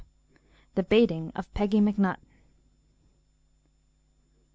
THE BAITING OF PEGGY M'NUTT.